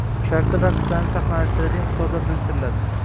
shartli raqslarni saxnalashtiradigan ustozlar biriktiriladi